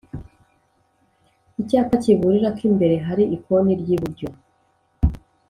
Icyapa kiburira ko imbere hari ikoni ry'iburyo